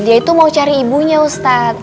dia itu mau cari ibunya ustadz